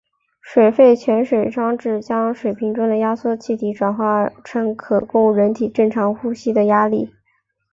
水肺潜水装置把气瓶中的压缩气体转化成可供人体正常呼吸的压力。